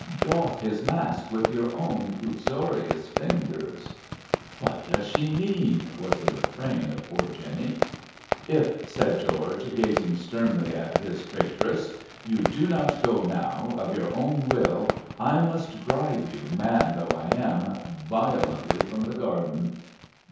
Doff his mask with your own uxorious fingers." "What does she mean?" was the refrain of poor Jenny. "If," said George, gazing sternly at his traitress, "you do not go now, of your own will, I must drive you, man though I am, violently from the garden."